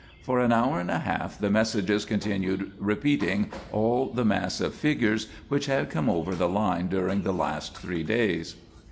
For an hour and a half the messages continued repeating all the mass of figures which had come over the line during the last three days.